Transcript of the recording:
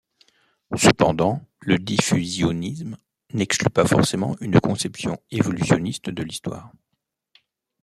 Cependant, le diffusionnisme n'exclut pas forcément une conception évolutionniste de l'histoire.